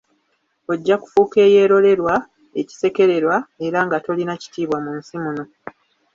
Ojja kufuuka eyerolerwa, ekisekererwa, era nga tolina kitiibwa mu nsi muno.